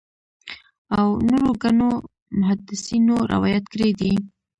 او نورو ګڼو محدِّثينو روايت کړی دی